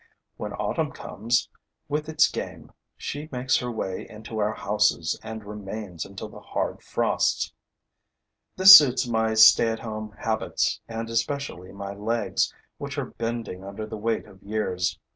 When autumn comes, with its game, she makes her way into our houses and remains until the hard frosts. This suits my stay at home habits and especially my legs, which are bending under the weight of years.